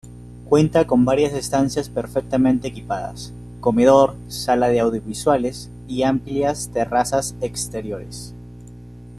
Cuenta con varias estancias perfectamente equipadas, comedor, sala de audiovisuales y amplias terrazas exteriores.